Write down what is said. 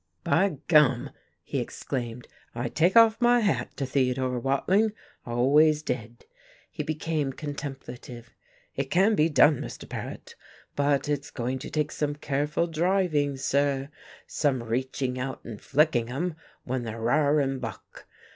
"By gum!" he exclaimed. "I take off my hat to Theodore Watling, always did." He became contemplative. "It can be done, Mr. Paret, but it's going to take some careful driving, sir, some reaching out and flicking 'em when they r'ar and buck.